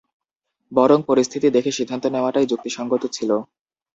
বরং পরিস্থিতি দেখে সিদ্ধান্ত নেওয়াটাই যুক্তিসংগত ছিল।